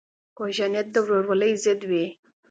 کوږه نیت د ورورولۍ ضد وي